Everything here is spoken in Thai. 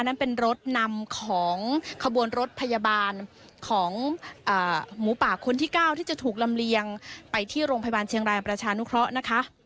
นั้นเป็นรถนำของขบวนรถพยาบาลของหมูป่าคนที่๙ที่จะถูกลำเลียงไปที่โรงพยาบาลเชียงรายประชานุเคราะห์นะคะ